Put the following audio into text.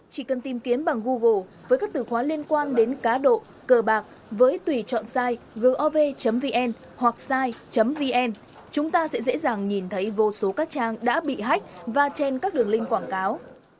chỉ cần tìm kiếm bằng google với các từ khóa liên quan đến cá độ cờ bạc với tùy chọn sai gov vn hoặc side vn chúng ta sẽ dễ dàng nhìn thấy vô số các trang đã bị hách và trên các đường link quảng cáo